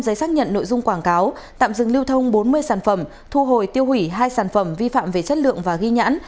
giấy xác nhận nội dung quảng cáo tạm dừng lưu thông bốn mươi sản phẩm thu hồi tiêu hủy hai sản phẩm vi phạm về chất lượng và ghi nhãn